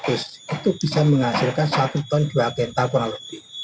itu bisa menghasilkan satu ton dua agenta kurang lebih